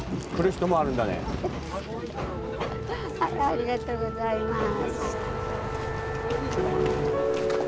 ありがとうございます。